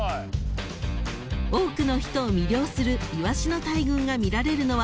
［多くの人を魅了するイワシの大群が見られるのは実は］